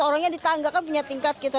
orangnya ditanggakan punya tingkat kita